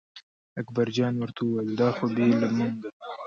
اکبرجان ورته وویل دا خو بې له مونږه.